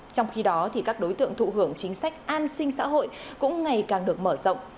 trong khi đó các đối tượng thụ hưởng chính sách an sinh xã hội cũng ngày càng được mở rộng